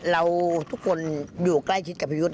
เราทุกคนอยู่ใกล้ชิดกับพี่ยุทธ์